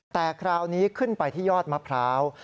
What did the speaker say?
แต่คราวนี้ขึ้นไปที่ยอดมะพร้าว